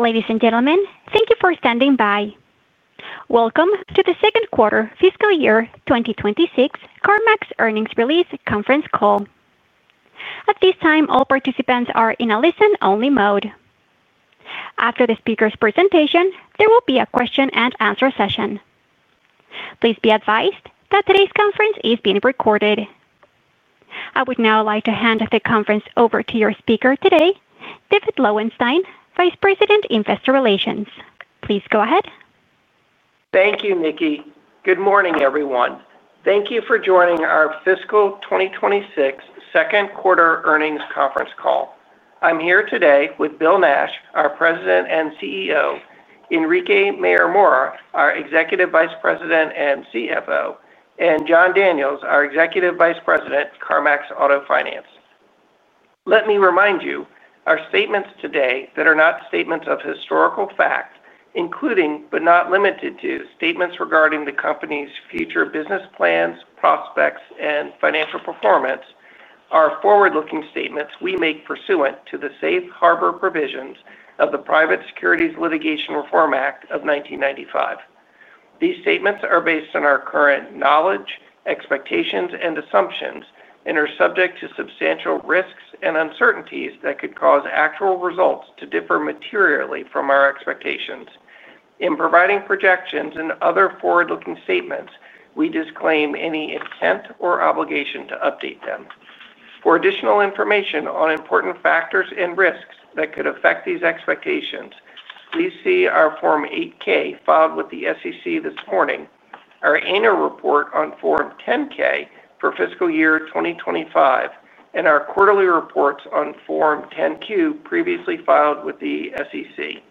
Ladies and gentlemen, thank you for standing by. Welcome to the second quarter fiscal year 2026 CarMax earnings release conference call. At this time, all participants are in a listen-only mode. After the speaker's presentation, there will be a question and answer session. Please be advised that today's conference is being recorded. I would now like to hand the conference over to your speaker today, David Lowenstein, Vice President, Investor Relations. Please go ahead. Thank you, Nikki. Good morning, everyone. Thank you for joining our fiscal 2026 second quarter earnings conference call. I'm here today with Bill Nash, our President and CEO, Enrique Mayor-Mora, our Executive Vice President and CFO, and Jon Daniels, our Executive Vice President, CarMax Auto Finance. Let me remind you, our statements today that are not statements of historical fact, including but not limited to statements regarding the company's future business plans, prospects, and financial performance, are forward-looking statements we make pursuant to the Safe Harbor provisions of the Private Securities Litigation Reform Act of 1995. These statements are based on our current knowledge, expectations, and assumptions and are subject to substantial risks and uncertainties that could cause actual results to differ materially from our expectations. In providing projections and other forward-looking statements, we disclaim any intent or obligation to update them. For additional information on important factors and risks that could affect these expectations, please see our Form 8-K filed with the SEC this morning, our annual report on Form 10-K for fiscal year 2025, and our quarterly reports on Form 10-Q previously filed with the SEC.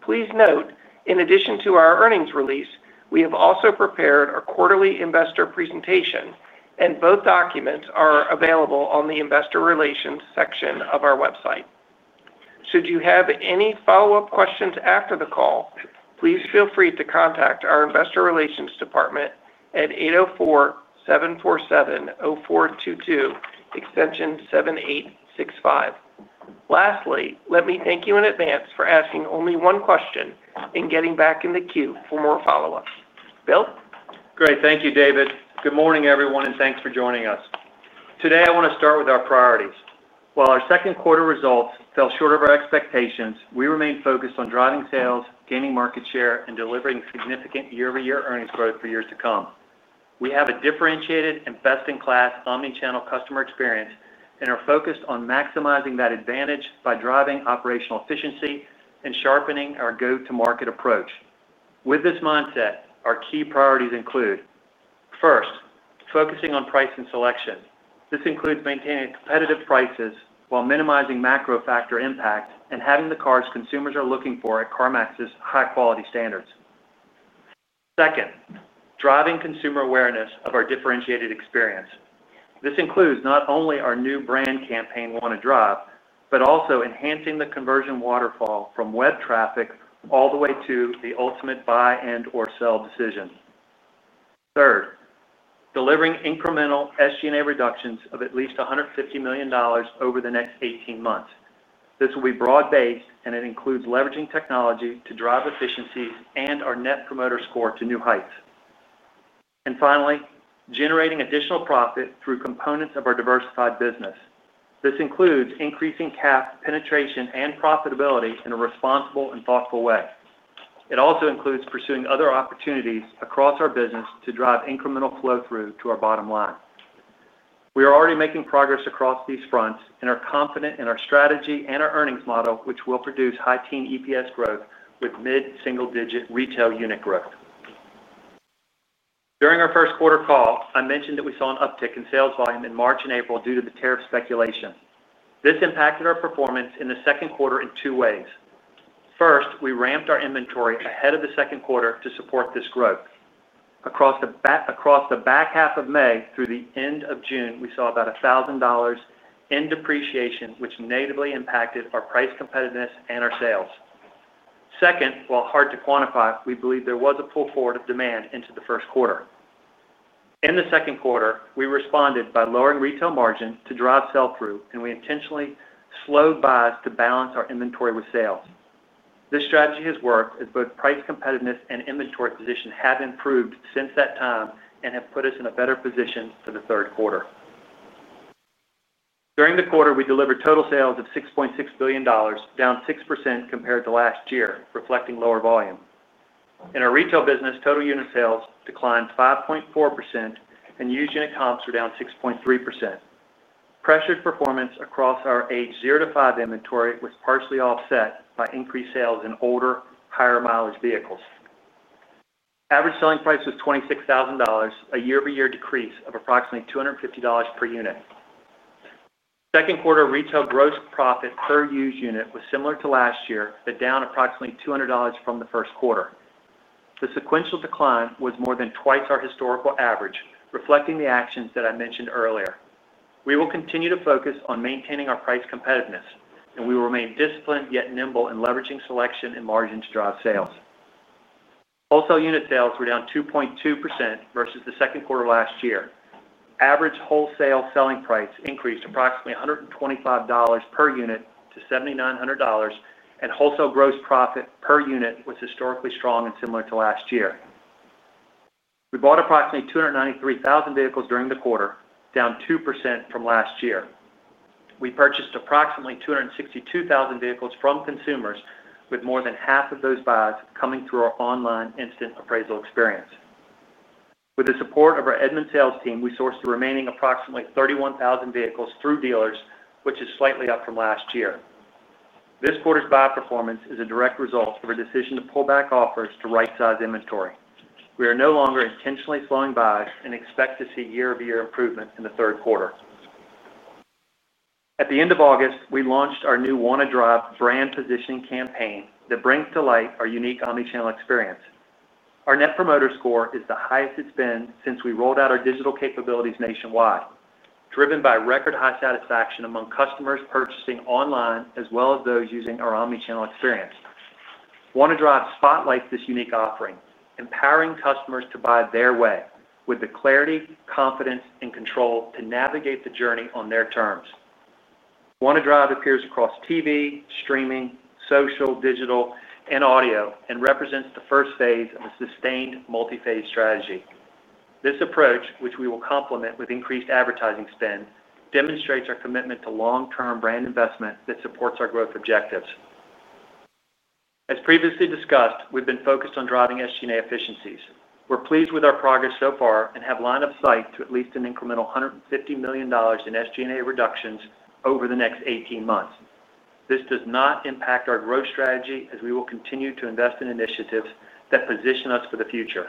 Please note, in addition to our earnings release, we have also prepared a quarterly investor presentation, and both documents are available on the Investor Relations section of our website. Should you have any follow-up questions after the call, please feel free to contact our Investor Relations department at 804-747-0422, extension 7865. Lastly, let me thank you in advance for asking only one question and getting back in the queue for more follow-ups. Bill? Great, thank you, David. Good morning, everyone, and thanks for joining us. Today, I want to start with our priorities. While our second quarter results fell short of our expectations, we remain focused on driving sales, gaining market share, and delivering significant year-over-year earnings growth for years to come. We have a differentiated and best-in-class omnichannel customer experience and are focused on maximizing that advantage by driving operational efficiency and sharpening our go-to-market approach. With this mindset, our key priorities include: First, focusing on price and selection. This includes maintaining competitive prices while minimizing macro factor impact and having the cars consumers are looking for at CarMax's high-quality standards. Second, driving consumer awareness of our differentiated experience. This includes not only our new brand campaign, Wanna Drive, but also enhancing the conversion waterfall from web traffic all the way to the ultimate buy and/or sell decision. Third, delivering incremental SG&A reductions of at least $150 million over the next 18 months. This will be broad-based, and it includes leveraging technology to drive efficiencies and our net promoter score to new heights. Finally, generating additional profit through components of our diversified business. This includes increasing CAF penetration and profitability in a responsible and thoughtful way. It also includes pursuing other opportunities across our business to drive incremental flow-through to our bottom line. We are already making progress across these fronts and are confident in our strategy and our earnings model, which will produce high team EPS growth with mid-single-digit retail unit growth. During our first quarter call, I mentioned that we saw an uptick in sales volume in March and April due to the tariff speculation. This impacted our performance in the second quarter in two ways. First, we ramped our inventory ahead of the second quarter to support this growth. Across the back half of May through the end of June, we saw about $1,000 in depreciation, which natively impacted our price competitiveness and our sales. Second, while hard to quantify, we believe there was a pull forward of demand into the first quarter. In the second quarter, we responded by lowering retail margins to drive sell-through, and we intentionally slowed buys to balance our inventory with sales. This strategy has worked as both price competitiveness and inventory position have improved since that time and have put us in a better position for the third quarter. During the quarter, we delivered total sales of $6.6 billion, down 6% compared to last year, reflecting lower volume. In our retail business, total unit sales declined 5.4%, and used unit comps were down 6.3%. Pressured performance across our age 0 to 5 inventory was partially offset by increased sales in older, higher-mileage vehicles. Average selling price was $26,000, a year-over-year decrease of approximately $250 per unit. Second quarter retail gross profit per used unit was similar to last year, but down approximately $200 from the first quarter. The sequential decline was more than twice our historical average, reflecting the actions that I mentioned earlier. We will continue to focus on maintaining our price competitiveness, and we will remain disciplined yet nimble in leveraging selection and margin to drive sales. Wholesale unit sales were down 2.2% versus the second quarter last year. Average wholesale selling price increased approximately $125 per unit to $7,900, and wholesale gross profit per unit was historically strong and similar to last year. We bought approximately 293,000 vehicles during the quarter, down 2% from last year. We purchased approximately 262,000 vehicles from consumers, with more than half of those buys coming through our online instant appraisal experience. With the support of our Edmund sales team, we sourced the remaining approximately 31,000 vehicles through dealers, which is slightly up from last year. This quarter's buy performance is a direct result of our decision to pull back offers to right-size inventory. We are no longer intentionally slowing buys and expect to see year-over-year improvement in the third quarter. At the end of August, we launched our new Wanna Drive brand positioning campaign that brings to light our unique omnichannel experience. Our net promoter score is the highest it's been since we rolled out our digital capabilities nationwide, driven by record high satisfaction among customers purchasing online as well as those using our omnichannel experience. Wanna Drive spotlights this unique offering, empowering customers to buy their way with the clarity, confidence, and control to navigate the journey on their terms. Wanna Drive appears across TV, streaming, social, digital, and audio, and represents the first phase of a sustained multiphase strategy. This approach, which we will complement with increased advertising spend, demonstrates our commitment to long-term brand investment that supports our growth objectives. As previously discussed, we've been focused on driving SG&A efficiencies. We're pleased with our progress so far and have line of sight to at least an incremental $150 million in SG&A reductions over the next 18 months. This does not impact our growth strategy, as we will continue to invest in initiatives that position us for the future.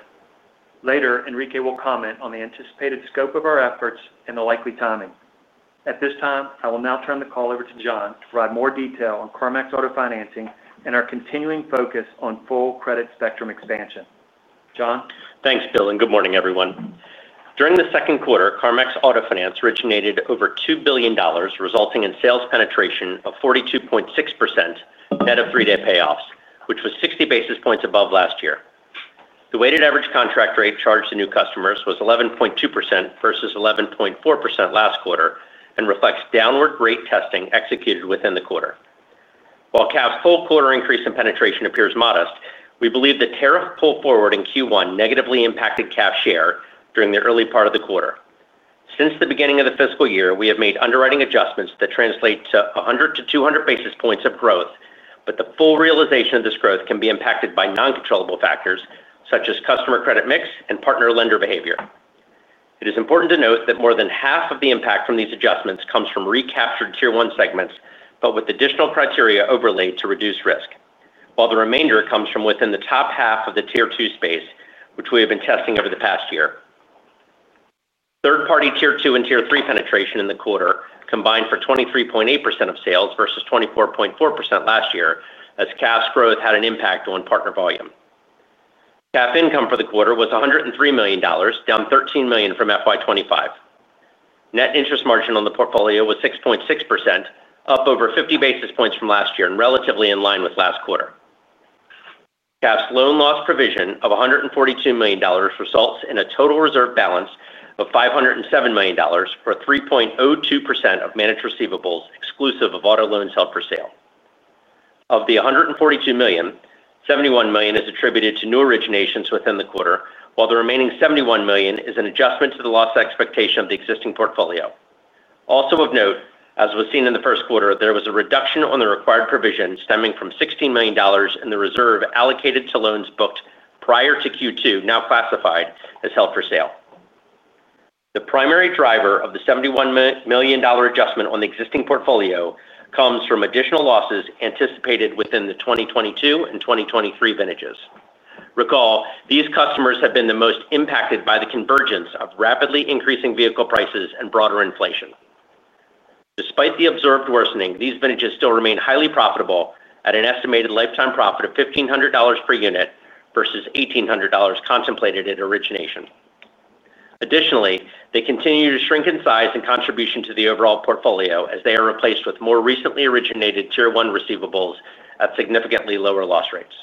Later, Enrique will comment on the anticipated scope of our efforts and the likely timing. At this time, I will now turn the call over to Jon to provide more detail on CarMax Auto Finance and our continuing focus on full credit spectrum expansion. Jon? Thanks, Bill, and good morning, everyone. During the second quarter, CarMax Auto Finance originated over $2 billion, resulting in sales penetration of 42.6%, net of three-day payoffs, which was 60 basis points above last year. The weighted average contract rate charged to new customers was 11.2% versus 11.4% last quarter and reflects downward rate testing executed within the quarter. While CAF's full quarter increase in penetration appears modest, we believe the tariff pull forward in Q1 negatively impacted CAF share during the early part of the quarter. Since the beginning of the fiscal year, we have made underwriting adjustments that translate to 100 to 200 basis points of growth, but the full realization of this growth can be impacted by non-controllable factors such as customer credit mix and partner lender behavior. It is important to note that more than half of the impact from these adjustments comes from recaptured Tier 1 segments, but with additional criteria overlaid to reduce risk, while the remainder comes from within the top half of the Tier 2 space, which we have been testing over the past year. Third-party Tier 2 and Tier 3 penetration in the quarter combined for 23.8% of sales versus 24.4% last year, as CAF's growth had an impact on partner volume. CAF income for the quarter was $103 million, down $13 million from FY25. Net interest margin on the portfolio was 6.6%, up over 50 basis points from last year and relatively in line with last quarter. CAF's loan loss provision of $142 million results in a total reserve balance of $507 million for 3.02% of managed receivables exclusive of auto loans held for sale. Of the $142 million, $71 million is attributed to new originations within the quarter, while the remaining $71 million is an adjustment to the loss expectation of the existing portfolio. Also of note, as was seen in the first quarter, there was a reduction on the required provision stemming from $16 million in the reserve allocated to loans booked prior to Q2, now classified as held for sale. The primary driver of the $71 million adjustment on the existing portfolio comes from additional losses anticipated within the 2022 and 2023 vintages. Recall, these customers have been the most impacted by the convergence of rapidly increasing vehicle prices and broader inflation. Despite the observed worsening, these vintages still remain highly profitable at an estimated lifetime profit of $1,500 per unit versus $1,800 contemplated at origination. Additionally, they continue to shrink in size in contribution to the overall portfolio as they are replaced with more recently originated Tier 1 receivables at significantly lower loss rates.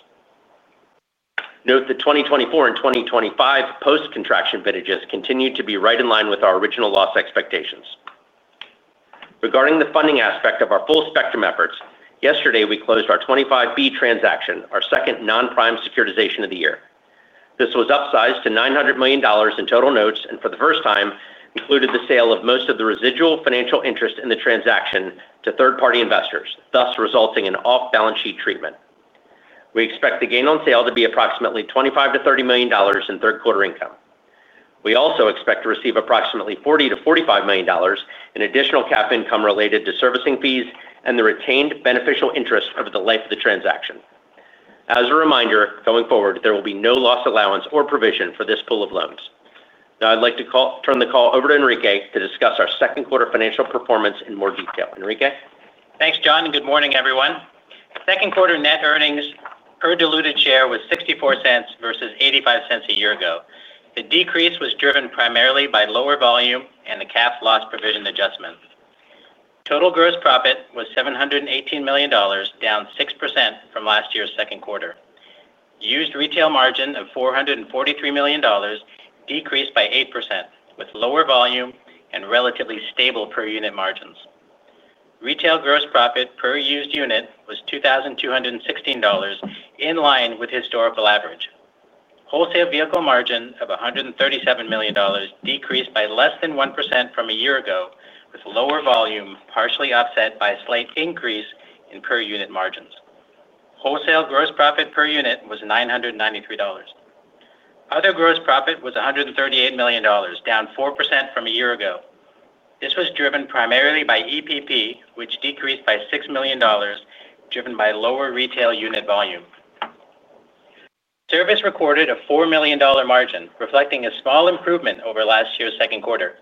Note that 2024 and 2025 post-contraction vintages continue to be right in line with our original loss expectations. Regarding the funding aspect of our full spectrum efforts, yesterday we closed our 25B transaction, our second non-prime securitization of the year. This was upsized to $900 million in total notes and for the first time included the sale of most of the residual financial interest in the transaction to third-party investors, thus resulting in off-balance sheet treatment. We expect the gain on sale to be approximately $25 to $30 million in third quarter income. We also expect to receive approximately $40 to $45 million in additional CAF income related to servicing fees and the retained beneficial interest over the life of the transaction. As a reminder, going forward, there will be no loss allowance or provision for this pool of loans. Now I'd like to turn the call over to Enrique to discuss our second quarter financial performance in more detail. Enrique? Thanks, Jon, and good morning, everyone. The second quarter net earnings per diluted share was $0.64 versus $0.85 a year ago. The decrease was driven primarily by lower volume and the CAF loss provision adjustment. Total gross profit was $718 million, down 6% from last year's second quarter. Used retail margin of $443 million decreased by 8%, with lower volume and relatively stable per unit margins. Retail gross profit per used unit was $2,216, in line with historical average. Wholesale vehicle margin of $137 million decreased by less than 1% from a year ago, with lower volume partially offset by a slight increase in per unit margins. Wholesale gross profit per unit was $993. Other gross profit was $138 million, down 4% from a year ago. This was driven primarily by extended protection plans, which decreased by $6 million, driven by lower retail unit volume. Service recorded a $4 million margin, reflecting a small improvement over last year's second quarter.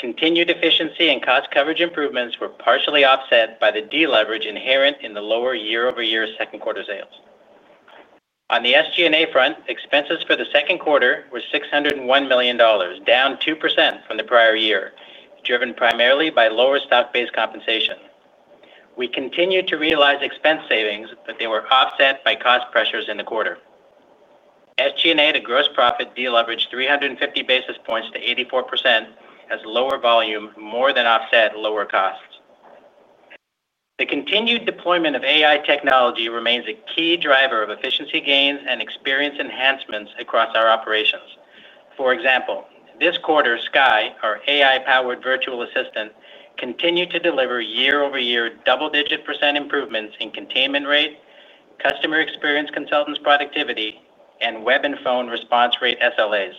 Continued efficiency and cost coverage improvements were partially offset by the deleverage inherent in the lower year-over-year second quarter sales. On the SG&A front, expenses for the second quarter were $601 million, down 2% from the prior year, driven primarily by lower stock-based compensation. We continued to realize expense savings, but they were offset by cost pressures in the quarter. SG&A to gross profit deleveraged 350 basis points to 84%, as lower volume more than offset lower costs. The continued deployment of AI technology remains a key driver of efficiency gains and experience enhancements across our operations. For example, this quarter, Sky, our AI-powered virtual assistant, continued to deliver year-over-year double-digit % improvements in containment rate, Customer Experience Consultants' productivity, and web and phone response rate SLAs.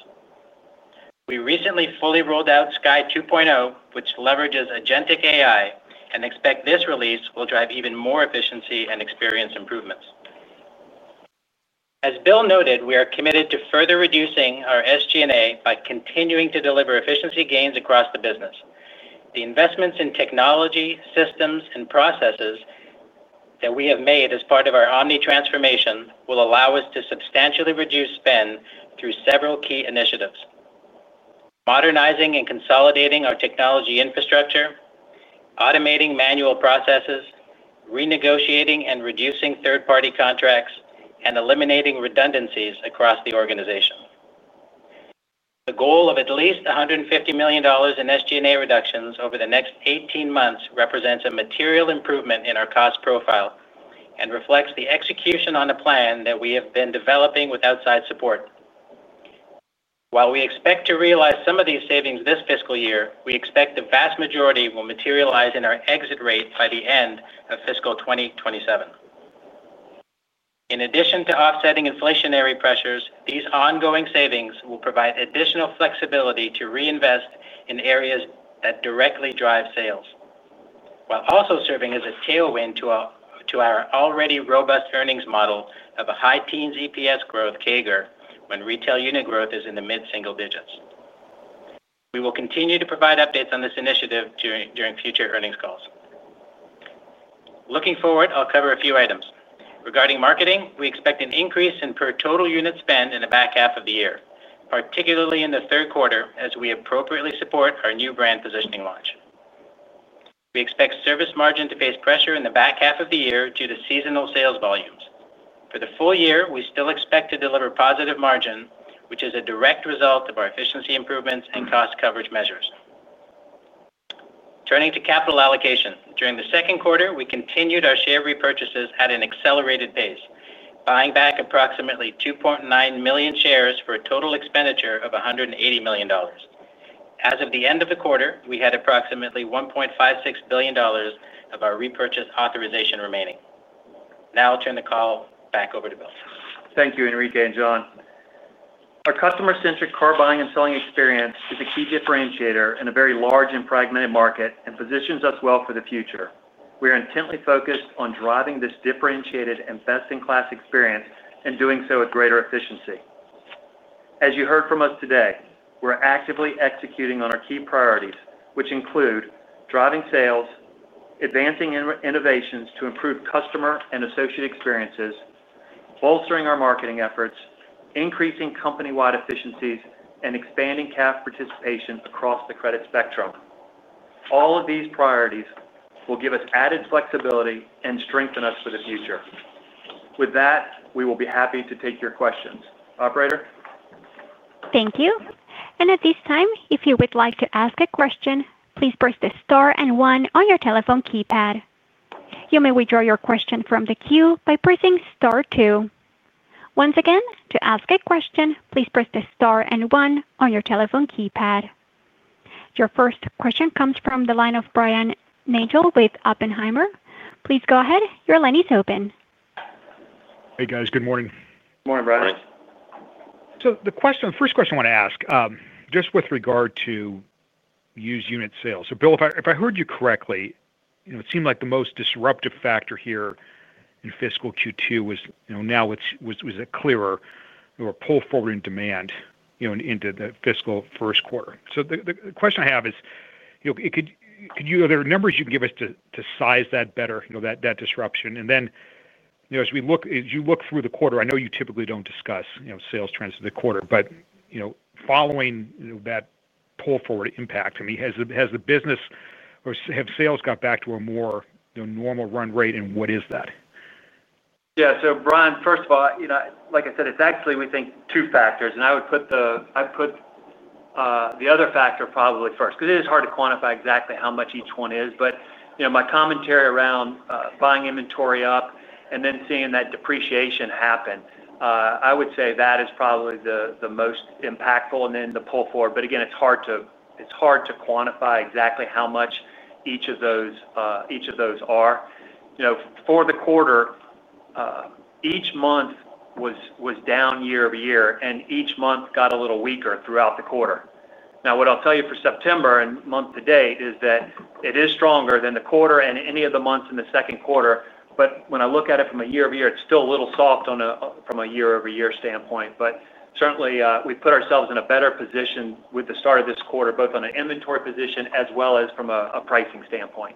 We recently fully rolled out Sky 2.0, which leverages Agentic AI, and expect this release will drive even more efficiency and experience improvements. As Bill noted, we are committed to further reducing our SG&A by continuing to deliver efficiency gains across the business. The investments in technology, systems, and processes that we have made as part of our omni-transformation will allow us to substantially reduce spend through several key initiatives: modernizing and consolidating our technology infrastructure, automating manual processes, renegotiating and reducing third-party contracts, and eliminating redundancies across the organization. The goal of at least $150 million in SG&A reductions over the next 18 months represents a material improvement in our cost profile and reflects the execution on a plan that we have been developing with outside support. While we expect to realize some of these savings this fiscal year, we expect the vast majority will materialize in our exit rate by the end of fiscal 2027. In addition to offsetting inflationary pressures, these ongoing savings will provide additional flexibility to reinvest in areas that directly drive sales, while also serving as a tailwind to our already robust earnings model of a high teens EPS growth CAGR when retail unit growth is in the mid-single digits. We will continue to provide updates on this initiative during future earnings calls. Looking forward, I'll cover a few items. Regarding marketing, we expect an increase in per total unit spend in the back half of the year, particularly in the third quarter, as we appropriately support our new brand positioning launch. We expect service margin to face pressure in the back half of the year due to seasonal sales volumes. For the full year, we still expect to deliver positive margin, which is a direct result of our efficiency improvements and cost coverage measures. Turning to capital allocation, during the second quarter, we continued our share repurchases at an accelerated pace, buying back approximately 2.9 million shares for a total expenditure of $180 million. As of the end of the quarter, we had approximately $1.56 billion of our repurchase authorization remaining. Now I'll turn the call back over to Bill. Thank you, Enrique and Jon. Our customer-centric car buying and selling experience is a key differentiator in a very large and fragmented market and positions us well for the future. We are intently focused on driving this differentiated and best-in-class experience and doing so at greater efficiency. As you heard from us today, we're actively executing on our key priorities, which include driving sales, advancing innovations to improve customer and associate experiences, bolstering our marketing efforts, increasing company-wide efficiencies, and expanding CAF participation across the credit spectrum. All of these priorities will give us added flexibility and strengthen us for the future. With that, we will be happy to take your questions. Operator? Thank you. At this time, if you would like to ask a question, please press the star and one on your telephone keypad. You may withdraw your question from the queue by pressing star two. Once again, to ask a question, please press the star and one on your telephone keypad. Your first question comes from the line of Brian William Nagel with Oppenheimer & Co. Inc. Please go ahead. Your line is open. Hey, guys. Good morning. Morning, Brian. Morning. The first question I want to ask, just with regard to used unit sales. Bill, if I heard you correctly, it seemed like the most disruptive factor here in fiscal Q2 was a clearer pull forward in demand into the fiscal first quarter. The question I have is, are there numbers you can give us to size that better, that disruption? As we look through the quarter, I know you typically don't discuss sales trends of the quarter, but following that pull forward impact, has the business or have sales got back to a more normal run rate? What is that? Yeah. Brian, first of all, like I said, it's actually, we think, two factors. I would put the other factor probably first because it is hard to quantify exactly how much each one is. My commentary around buying inventory up and then seeing that depreciation happen, I would say that is probably the most impactful and then the pull forward. Again, it's hard to quantify exactly how much each of those are. For the quarter, each month was down year over year, and each month got a little weaker throughout the quarter. What I'll tell you for September and month to date is that it is stronger than the quarter and any of the months in the second quarter. When I look at it from a year over year, it's still a little soft from a year over year standpoint. Certainly, we put ourselves in a better position with the start of this quarter, both on an inventory position as well as from a pricing standpoint.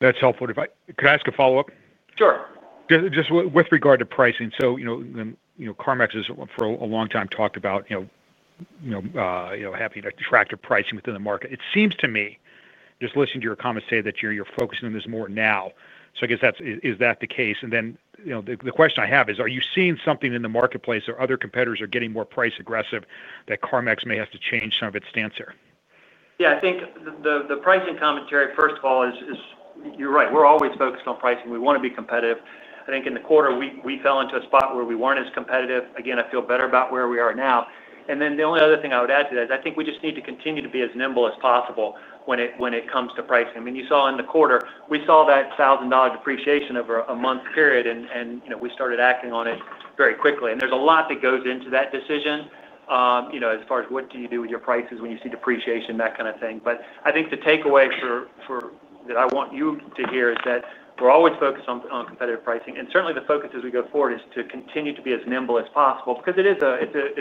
That's helpful. Could I ask a follow-up? Sure. Just with regard to pricing, CarMax has for a long time talked about having attractive pricing within the market. It seems to me, listening to your comments, that you're focusing on this more now. Is that the case? The question I have is, are you seeing something in the marketplace or are other competitors getting more price aggressive that CarMax may have to change some of its stance here? Yeah, I think the pricing commentary, first of all, is you're right. We're always focused on pricing. We want to be competitive. I think in the quarter, we fell into a spot where we weren't as competitive. I feel better about where we are now. The only other thing I would add to that is I think we just need to continue to be as nimble as possible when it comes to pricing. I mean, you saw in the quarter, we saw that $1,000 depreciation over a month period, and we started acting on it very quickly. There's a lot that goes into that decision, as far as what do you do with your prices when you see depreciation, that kind of thing. I think the takeaway that I want you to hear is that we're always focused on competitive pricing. Certainly, the focus as we go forward is to continue to be as nimble as possible because it is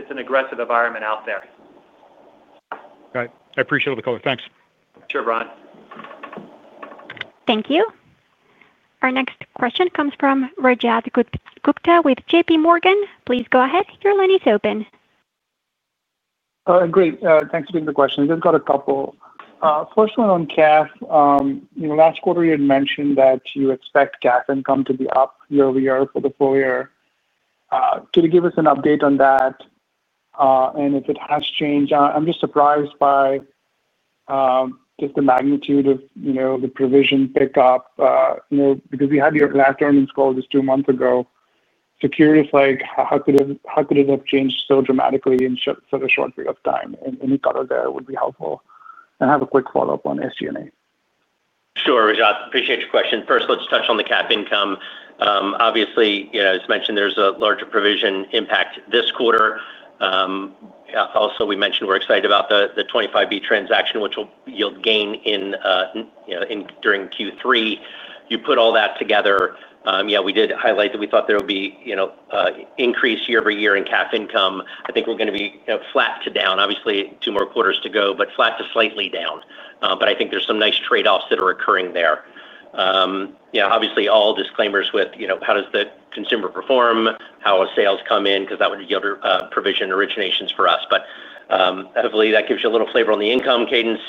an aggressive environment out there. Right. I appreciate all the comments. Thanks. Sure, Brian. Thank you. Our next question comes from Rajat Gupta with JPMorgan Chase & Co. Please go ahead. Your line is open. Great. Thanks for taking the question. I just got a couple. First one on CAF. Last quarter, you had mentioned that you expect CAF income to be up year over year for the full year. Could you give us an update on that and if it has changed? I'm just surprised by the magnitude of the provision pickup, because we had your last earnings call just two months ago. Curious how it could have changed so dramatically in such a short period of time. Any color there would be helpful. I have a quick follow-up on SG&A. Sure, Rajat. Appreciate your question. First, let's touch on the CAF income. Obviously, as mentioned, there's a larger provision impact this quarter. Also, we mentioned we're excited about the $25 billion transaction, which will yield gain during Q3. You put all that together. We did highlight that we thought there would be an increase year over year in CAF income. I think we're going to be flat to down. Obviously, two more quarters to go, but flat to slightly down. I think there's some nice trade-offs that are occurring there. Obviously, all disclaimers with how does the consumer perform, how sales come in, because that would yield provision originations for us. Hopefully, that gives you a little flavor on the income cadence.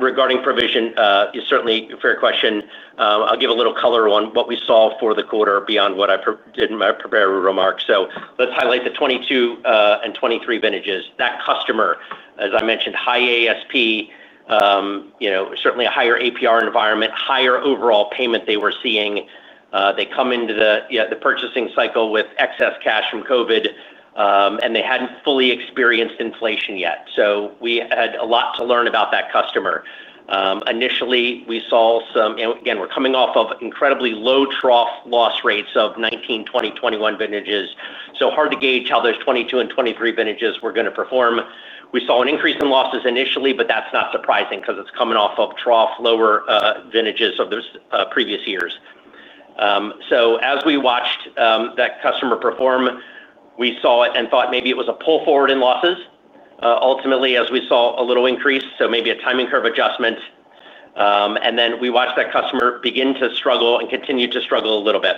Regarding provision, it's certainly a fair question. I'll give a little color on what we saw for the quarter beyond what I did in my prepared remark. Let's highlight the 2022 and 2023 vintages. That customer, as I mentioned, high ASP, certainly a higher APR environment, higher overall payment they were seeing. They come into the purchasing cycle with excess cash from COVID, and they hadn't fully experienced inflation yet. We had a lot to learn about that customer. Initially, we saw some, and again, we're coming off of incredibly low trough loss rates of 2019, 2020, 2021 vintages. Hard to gauge how those 2022 and 2023 vintages were going to perform. We saw an increase in losses initially, but that's not surprising because it's coming off of trough lower vintages of those previous years. As we watched that customer perform, we saw it and thought maybe it was a pull forward in losses, ultimately, as we saw a little increase. Maybe a timing curve adjustment. We watched that customer begin to struggle and continue to struggle a little bit.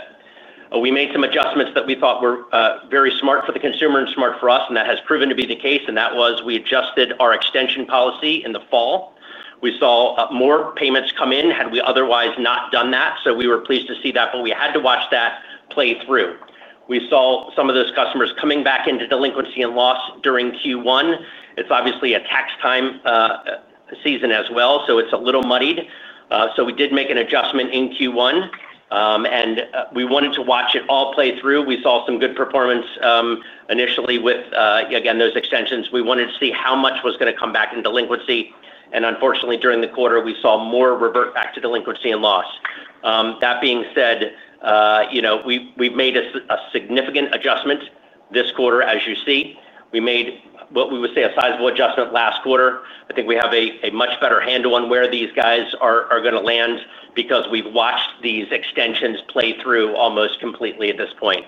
We made some adjustments that we thought were very smart for the consumer and smart for us, and that has proven to be the case. That was we adjusted our extension policy in the fall. We saw more payments come in had we otherwise not done that. We were pleased to see that, but we had to watch that play through. We saw some of those customers coming back into delinquency and loss during Q1. It's obviously a tax time season as well, so it's a little muddied. We did make an adjustment in Q1, and we wanted to watch it all play through. We saw some good performance initially with, again, those extensions. We wanted to see how much was going to come back in delinquency. Unfortunately, during the quarter, we saw more revert back to delinquency and loss. That being said, we've made a significant adjustment this quarter, as you see. We made what we would say a sizable adjustment last quarter. I think we have a much better handle on where these guys are going to land because we've watched these extensions play through almost completely at this point.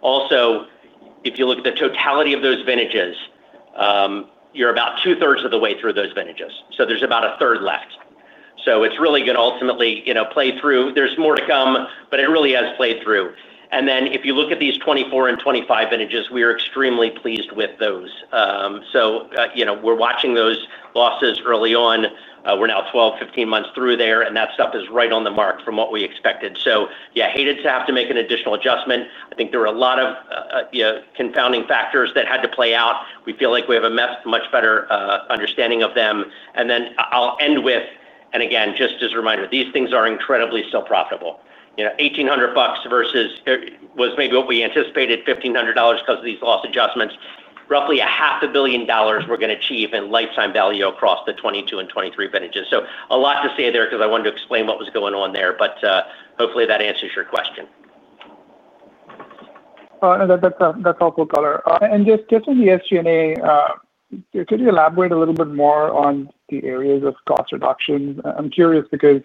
Also, if you look at the totality of those vintages, you're about two-thirds of the way through those vintages. There's about a third left. It's really going to ultimately play through. There's more to come, but it really has played through. If you look at these 2024 and 2025 vintages, we are extremely pleased with those. We're watching those losses early on. We're now 12, 15 months through there, and that stuff is right on the mark from what we expected. Hated to have to make an additional adjustment. I think there are a lot of confounding factors that had to play out. We feel like we have a much better understanding of them. I'll end with, and again, just as a reminder, these things are incredibly still profitable. $1,800 versus was maybe what we anticipated, $1,500 because of these loss adjustments. Roughly $0.5 billion we're going to achieve in lifetime value across the 2022 and 2023 vintages. A lot to say there because I wanted to explain what was going on there, but hopefully that answers your question. That's a helpful color. Getting to the SG&A, could you elaborate a little bit more on the areas of cost reduction? I'm curious because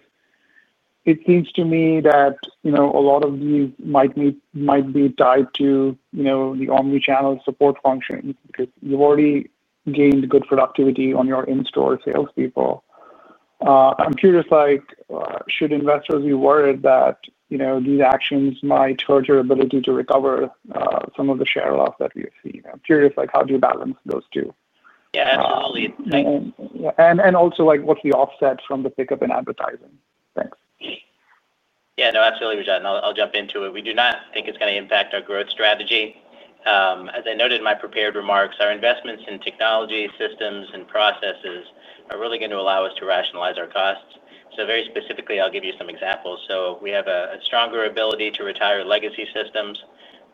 it seems to me that a lot of these might be tied to the omnichannel support function because you've already gained good productivity on your in-store salespeople. I'm curious, should investors be worried that these actions might hurt your ability to recover some of the share loss that you see? I'm curious, how do you balance those two? Yeah, I'll lead. What's the offset from the pickup in advertising? Thanks. Yeah, no, absolutely, Rajat. I'll jump into it. We do not think it's going to impact our growth strategy. As I noted in my prepared remarks, our investments in technology, systems, and processes are really going to allow us to rationalize our costs. Very specifically, I'll give you some examples. We have a stronger ability to retire legacy systems.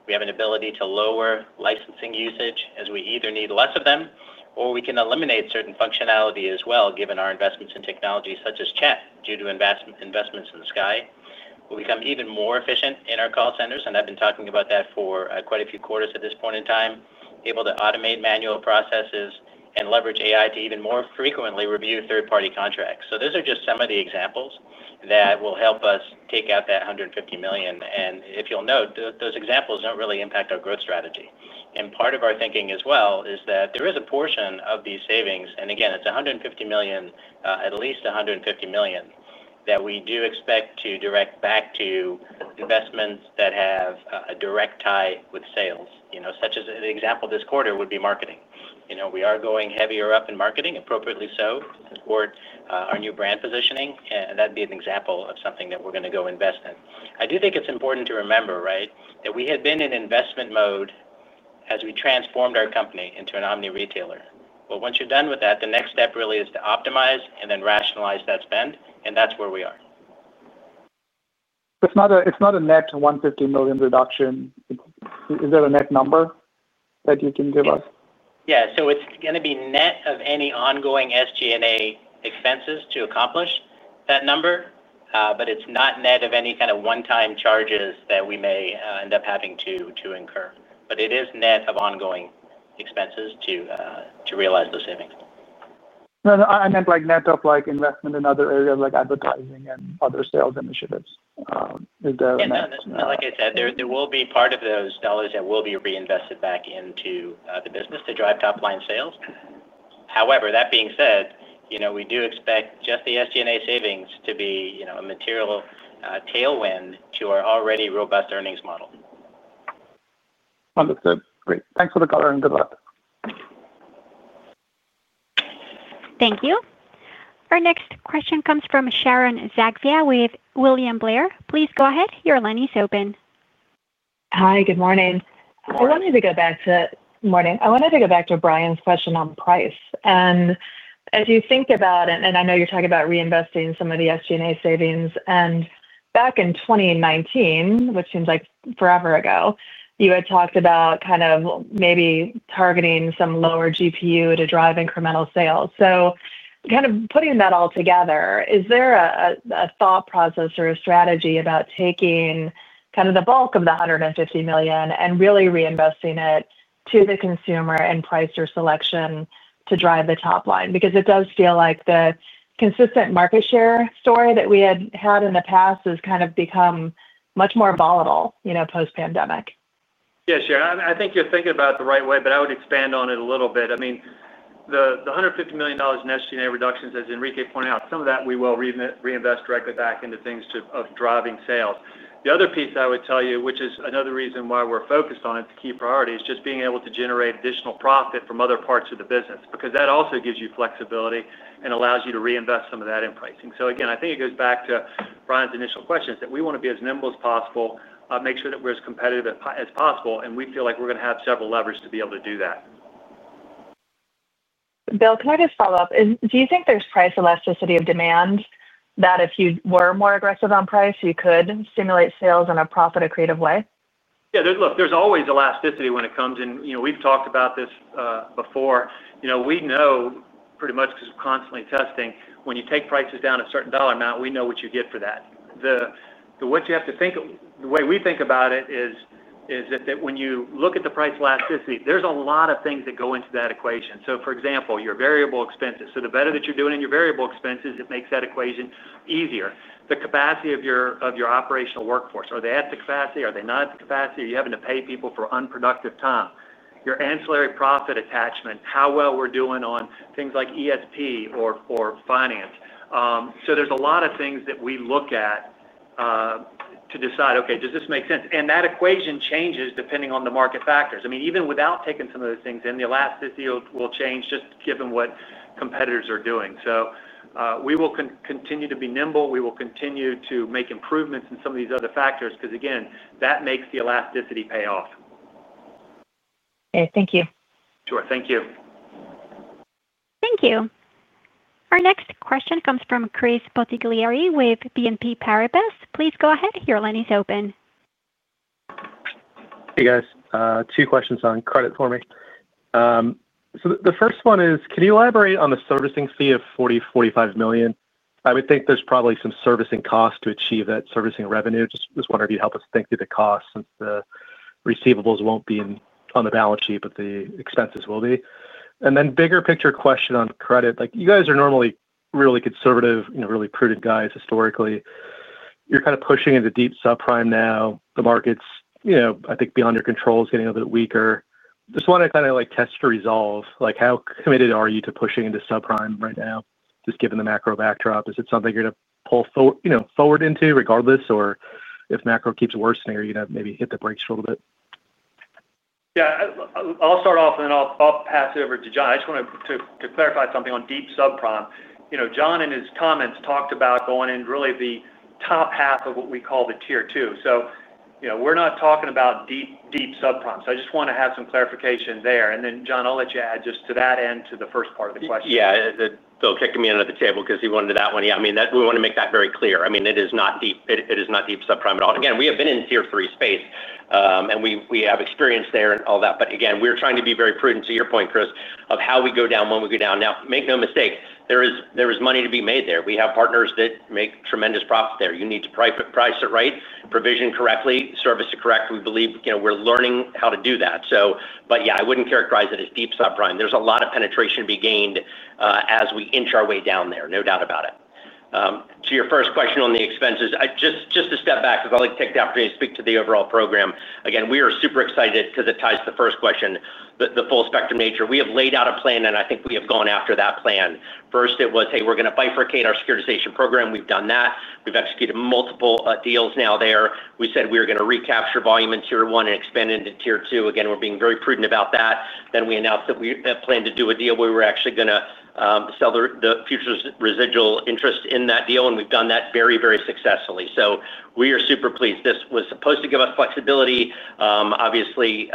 We have an ability to lower licensing usage as we either need less of them, or we can eliminate certain functionality as well, given our investments in technology such as chat due to investments in Sky. We'll become even more efficient in our call centers, and I've been talking about that for quite a few quarters at this point in time, able to automate manual processes and leverage AI to even more frequently review third-party contracts. Those are just some of the examples that will help us take out that $150 million. If you'll note, those examples don't really impact our growth strategy. Part of our thinking as well is that there is a portion of these savings, and again, it's $150 million, at least $150 million that we do expect to direct back to investments that have a direct tie with sales. Such as an example this quarter would be marketing. We are going heavier up in marketing, appropriately so, toward our new brand positioning, and that'd be an example of something that we're going to go invest in. I do think it's important to remember, right, that we had been in investment mode as we transformed our company into an omni retailer. Once you're done with that, the next step really is to optimize and then rationalize that spend, and that's where we are. It's not a net $150 million reduction. Is there a net number that you can give us? Yeah, so it's going to be net of any ongoing SG&A expenses to accomplish that number, but it's not net of any kind of one-time charges that we may end up having to incur. It is net of ongoing expenses to realize those savings. That is net of investment in other areas like advertising and other sales initiatives. Like I said, there will be part of those dollars that will be reinvested back into the business to drive top-line sales. However, that being said, we do expect just the SG&A savings to be a material tailwind to our already robust earnings model. Understood. Great. Thanks for the color and good luck. Thank you. Our next question comes from Sharon Zackfia with William Blair & Company L.L.C. Please go ahead. Your line is open. Hi, good morning. I wanted to go back to Brian's question on price. As you think about it, and I know you're talking about reinvesting in some of the SG&A savings, back in 2019, which seems like forever ago, you had talked about kind of maybe targeting some lower GPU to drive incremental sales. Putting that all together, is there a thought process or a strategy about taking the bulk of the $150 million and really reinvesting it to the consumer and price your selection to drive the top line? It does feel like the consistent market share story that we had had in the past has kind of become much more volatile, you know, post-pandemic. Yeah, Sharon, I think you're thinking about it the right way, but I would expand on it a little bit. I mean, the $150 million in SG&A reductions, as Enrique pointed out, some of that we will reinvest directly back into things of driving sales. The other piece I would tell you, which is another reason why we're focused on it, the key priority is just being able to generate additional profit from other parts of the business because that also gives you flexibility and allows you to reinvest some of that in pricing. I think it goes back to Brian's initial questions that we want to be as nimble as possible, make sure that we're as competitive as possible, and we feel like we're going to have several levers to be able to do that. Bill, can I just follow up? Do you think there's price elasticity of demand that if you were more aggressive on price, you could stimulate sales in a profit or creative way? Yeah, look, there's always elasticity when it comes in. We've talked about this before. We know pretty much because we're constantly testing, when you take prices down a certain dollar amount, we know what you get for that. What you have to think, the way we think about it is that when you look at the price elasticity, there's a lot of things that go into that equation. For example, your variable expenses. The better that you're doing in your variable expenses, it makes that equation easier. The capacity of your operational workforce, are they at the capacity? Are they not at the capacity? Are you having to pay people for unproductive time? Your ancillary profit attachment, how well we're doing on things like ESP or finance. There's a lot of things that we look at to decide, okay, does this make sense? That equation changes depending on the market factors. I mean, even without taking some of those things in, the elasticity will change just given what competitors are doing. We will continue to be nimble. We will continue to make improvements in some of these other factors because, again, that makes the elasticity pay off. Okay, thank you. Sure, thank you. Thank you. Our next question comes from Christopher James Bottiglieri with BNP Paribas Exane. Please go ahead. Your line is open. Hey, guys. Two questions on credit for me. The first one is, could you elaborate on the servicing fee of $40, $45 million? I would think there's probably some servicing costs to achieve that servicing revenue. I was wondering if you'd help us think through the costs since the receivables won't be on the balance sheet, but the expenses will be. Bigger picture question on credit. You guys are normally really conservative, you know, really prudent guys historically. You're kind of pushing into deep subprime now. The market's, you know, I think beyond your control is getting a little bit weaker. I just want to kind of test your resolve. How committed are you to pushing into subprime right now, just given the macro backdrop? Is it something you're going to pull forward into regardless, or if macro keeps worsening, are you going to maybe hit the brakes for a little bit? Yeah, I'll start off and then I'll pass it over to Jon. I just want to clarify something on deep subprime. Jon in his comments talked about going in really the top half of what we call the Tier 2. We're not talking about deep, deep subprime. I just want to have some clarification there. Jon, I'll let you add just to that end to the first part of the question. Yeah, Bill kicking me under the table because he wanted that one. Yeah, I mean, we want to make that very clear. I mean, it is not deep, it is not deep subprime at all. Again, we have been in Tier 3 space and we have experience there and all that. We are trying to be very prudent to your point, Chris, of how we go down when we go down. Make no mistake, there is money to be made there. We have partners that make tremendous profits there. You need to price it right, provision correctly, service it correct. We believe, you know, we're learning how to do that. Yeah, I wouldn't characterize it as deep subprime. There's a lot of penetration to be gained as we inch our way down there, no doubt about it. To your first question on the expenses, just to step back because I'll take the opportunity to speak to the overall program. Again, we are super excited because it ties to the first question, the full spectrum nature. We have laid out a plan and I think we have gone after that plan. First, it was, hey, we're going to bifurcate our securitization program. We've done that. We've executed multiple deals now there. We said we were going to recapture volume in Tier 1 and expand it into Tier 2. Again, we're being very prudent about that. We announced that we plan to do a deal where we're actually going to sell the future residual interest in that deal, and we've done that very, very successfully. We are super pleased. This was supposed to give us flexibility, obviously,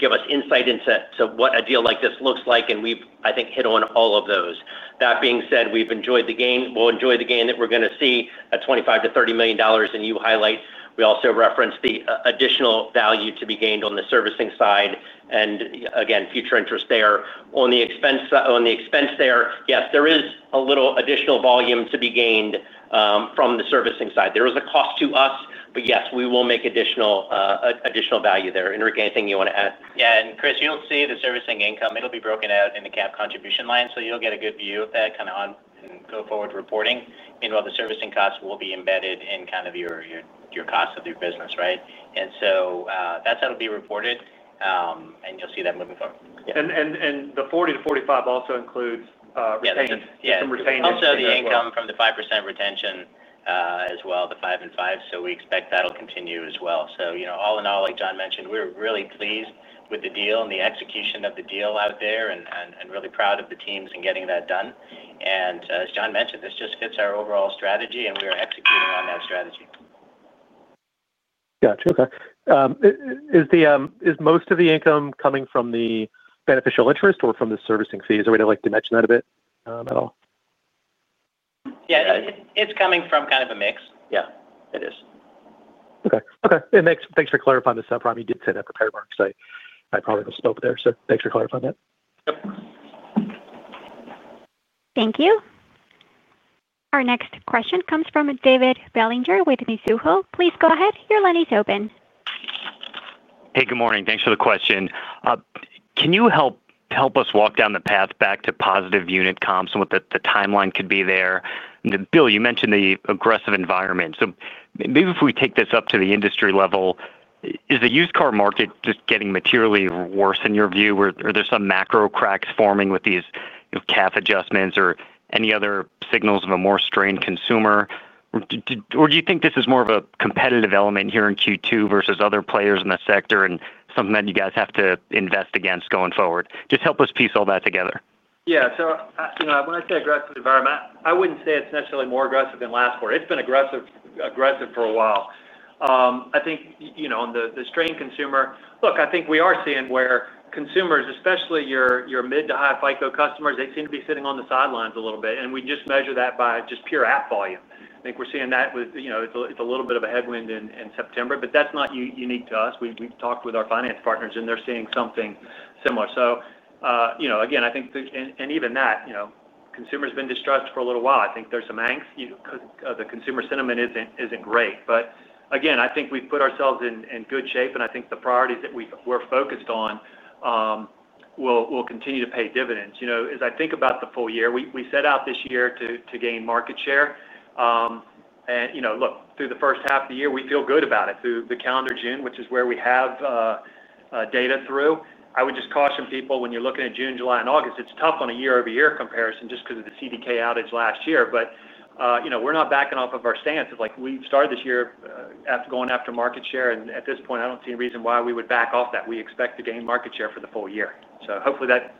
give us insight into what a deal like this looks like, and we've, I think, hit on all of those. That being said, we've enjoyed the game. We'll enjoy the gain that we're going to see at $25 to $30 million, and you highlight. We also referenced the additional value to be gained on the servicing side. Again, future interest there. On the expense there, yeah, there is a little additional volume to be gained from the servicing side. There is a cost to us, but yes, we will make additional value there. Enrique, anything you want to add? Yeah, and Chris, you'll see the servicing income. It'll be broken out in the CAF contribution line. You'll get a good view of that kind of on go forward reporting. Meanwhile, the servicing costs will be embedded in kind of your cost of your business, right? That's how it'll be reported, and you'll see that moving forward. The $40 to $45 also includes retained. Yes, also the income from the 5% retention as well, the 5 and 5. We expect that'll continue as well. All in all, like Jon mentioned, we're really pleased with the deal and the execution of the deal out there and really proud of the teams in getting that done. As Jon mentioned, this just fits our overall strategy, and we are executing on that strategy. Gotcha. Okay. Is most of the income coming from the beneficial interest or from the servicing fees? Would you like to mention that a bit at all? Yeah, it's coming from kind of a mix. It is. Okay. Thanks for clarifying the subprime. You did say that prepared market, so I probably misspoke there. Thanks for clarifying that. Thank you. Our next question comes from David Bellinger with Mizuho Securities USA LLC. Please go ahead. Your line is open. Hey, good morning. Thanks for the question. Can you help us walk down the path back to positive unit comps and what the timeline could be there? Bill, you mentioned the aggressive environment. If we take this up to the industry level, is the used car market just getting materially worse in your view? Are there some macro cracks forming with these CAF adjustments or any other signals of a more strained consumer? Do you think this is more of a competitive element here in Q2 versus other players in the sector and something that you guys have to invest against going forward? Just help us piece all that together. Yeah, so when I say aggressive environment, I wouldn't say it's necessarily more aggressive than last quarter. It's been aggressive for a while. On the strained consumer, look, I think we are seeing where consumers, especially your mid to high FICO customers, they seem to be sitting on the sidelines a little bit. We just measure that by just pure app volume. I think we're seeing that with, you know, it's a little bit of a headwind in September, but that's not unique to us. We've talked with our finance partners and they're seeing something similar. Again, I think consumers have been distressed for a little while. I think there's some angst. The consumer sentiment isn't great. Again, I think we've put ourselves in good shape, and I think the priorities that we're focused on will continue to pay dividends. As I think about the full year, we set out this year to gain market share. Through the first half of the year, we feel good about it. Through the calendar June, which is where we have data through, I would just caution people when you're looking at June, July, and August, it's tough on a year-over-year comparison just because of the CDK outage last year. We're not backing off of our stance of like we've started this year going after market share, and at this point, I don't see any reason why we would back off that. We expect to gain market share for the full year. Hopefully that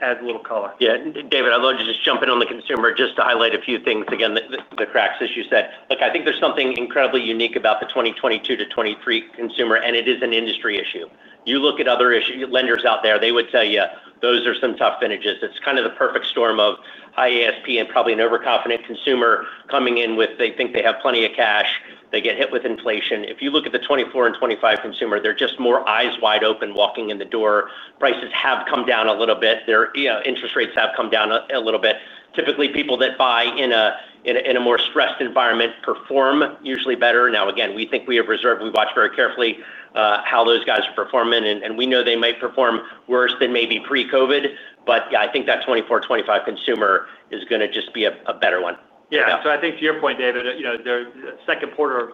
adds a little color. Yeah, David, I'd love to just jump in on the consumer just to highlight a few things. Again, the cracks, as you said. Look, I think there's something incredibly unique about the 2022 to 2023 consumer, and it is an industry issue. You look at other lenders out there, they would tell you those are some tough vintages. It's kind of the perfect storm of high ASP and probably an overconfident consumer coming in with, they think they have plenty of cash. They get hit with inflation. If you look at the 2024 and 2025 consumer, they're just more eyes wide open walking in the door. Prices have come down a little bit. Their interest rates have come down a little bit. Typically, people that buy in a more stressed environment perform usually better. Now, again, we think we have reserved. We watch very carefully how those guys are performing, and we know they might perform worse than maybe pre-COVID. I think that 2024, 2025 consumer is going to just be a better one. Yeah, I think to your point, David, the second quarter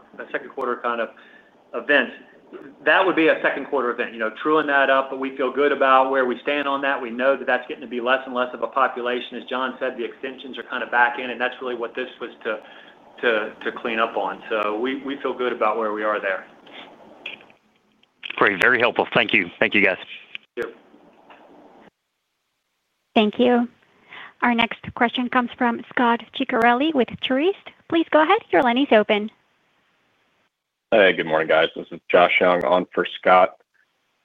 kind of event, that would be a second quarter event. Truing that up, we feel good about where we stand on that. We know that that's getting to be less and less of a population. As Jon said, the extensions are kind of back in, and that's really what this was to clean up on. We feel good about where we are there. Great, very helpful. Thank you. Thank you, guys. Thank you. Thank you. Our next question comes from Scot Ciccarelli with Truist Securities. Please go ahead. Your line is open. Good morning, guys. This is Josh Young on for Scott.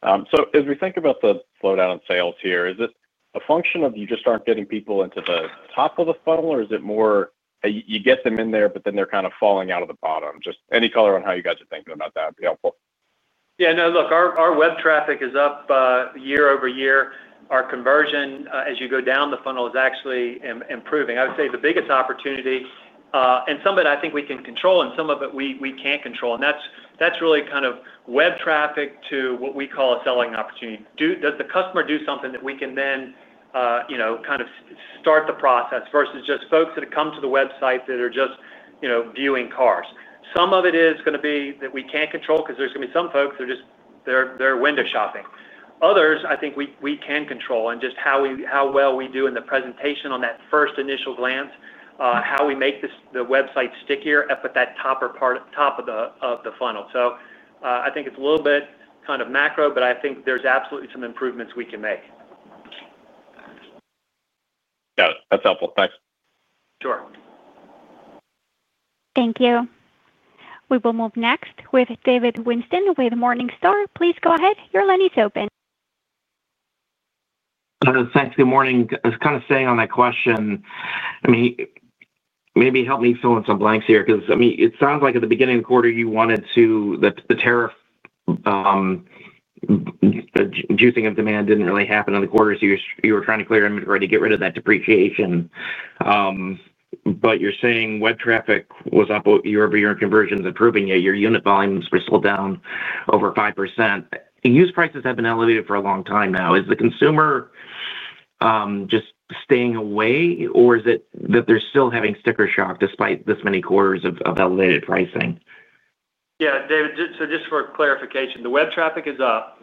As we think about the slowdown in sales here, is it a function of you just aren't getting people into the top of the funnel, or is it more you get them in there, but then they're kind of falling out of the bottom? Any color on how you guys are thinking about that would be helpful. Yeah, no, look, our web traffic is up year over year. Our conversion, as you go down the funnel, is actually improving. I would say the biggest opportunity, and some of it I think we can control, and some of it we can't control, is really kind of web traffic to what we call a selling opportunity. Does the customer do something that we can then, you know, kind of start the process versus just folks that have come to the website that are just viewing cars? Some of it is going to be that we can't control because there's going to be some folks that are just window shopping. Others, I think we can control in just how we do in the presentation on that first initial glance, how we make the website stickier up at that top of the funnel. I think it's a little bit kind of macro, but I think there's absolutely some improvements we can make. Gotcha. Yeah, that's helpful. Thanks. Sure. Thank you. We will move next with David Lowenstein with Morningstar. Please go ahead. Your line is open. Thanks. Good morning. I was kind of saying on that question, maybe help me fill in some blanks here because it sounds like at the beginning of the quarter you wanted to, the tariff juicing of demand didn't really happen on the quarter. You were trying to clear them and try to get rid of that depreciation. You're saying web traffic was up, your conversions improving, yet your unit volumes were still down over 5%. Used prices have been elevated for a long time now. Is the consumer just staying away, or is it that they're still having sticker shock despite this many quarters of elevated pricing? Yeah, David, just for clarification, the web traffic is up.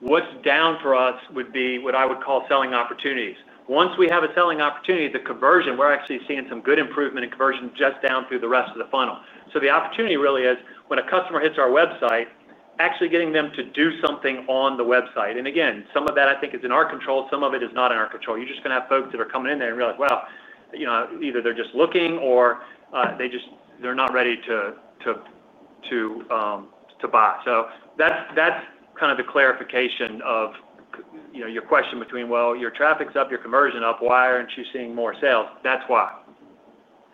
What's down for us would be what I would call selling opportunities. Once we have a selling opportunity, the conversion, we're actually seeing some good improvement in conversion just down through the rest of the funnel. The opportunity really is when a customer hits our website, actually getting them to do something on the website. Some of that I think is in our control. Some of it is not in our control. You're just going to have folks that are coming in there and realize, you know, either they're just looking or they're not ready to buy. That's kind of the clarification of your question between, your traffic's up, your conversion up, why aren't you seeing more sales? That's why.